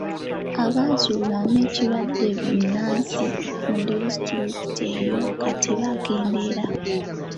Abazuulwamu ekirwadde bbunansi mu disitulikiti eyo kati baakendeera.